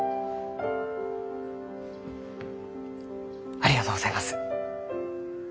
ありがとうございます。